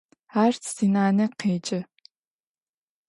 Ар синанэ къеджэ.